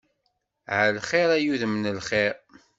Ɛelxir ay udem n lxir.